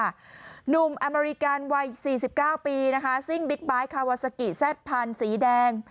หนุ่มอเมริกันวัย๔๙ปีนะคะซิ่งบิ๊กไบท์คาวาซากิแซดพันธ์สีแดง